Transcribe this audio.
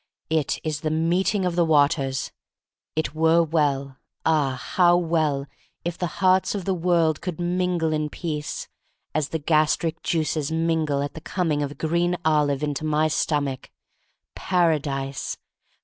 It is the meeting of the waters! It were well, ah, how well, if the hearts of the world could mingle in peace, as the gastric juices mingle at the coming of a green olive into my stomach! "Paradise!